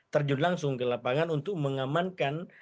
terjun langsung ke lapangan untuk mengamankan